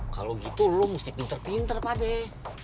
kalau gitu lu mesti pinter pinter pak deh